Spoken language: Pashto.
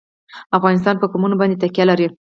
افغانستان په قومونه باندې تکیه لري.